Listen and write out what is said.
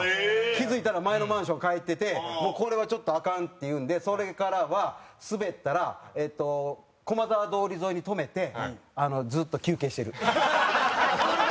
気付いたら前のマンション帰っててこれはちょっとアカンっていうんでそれからはスベったら駒沢通り沿いに止めてずっと休憩してる。